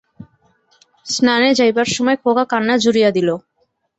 স্নানে যাইবার সময় খোকা কান্না জুড়িয়া দিল।